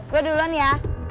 gue duluan ya